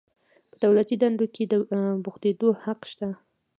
په دولتي دندو کې د بوختیدو حق شته.